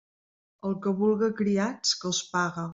El que vulga criats, que els pague.